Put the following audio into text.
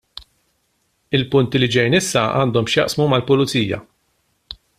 Il-punti li ġejjin issa għandhom x'jaqsmu mal-pulizija.